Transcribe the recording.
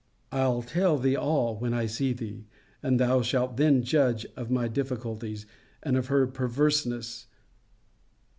I'll tell thee all, when I see thee: and thou shalt then judge of my difficulties, and of her perverseness.